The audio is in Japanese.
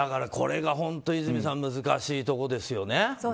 これが本当、和泉さん難しいところですよね。